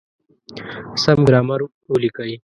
سم ګرامر وليکئ!.